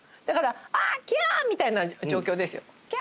だから「あ！キャー！」みたいな状況ですよ。